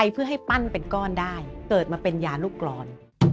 เพื่อให้ปั้นเป็นก้อนได้เกิดมาเป็นยาลูกกรอน